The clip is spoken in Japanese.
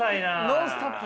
ノンストップ。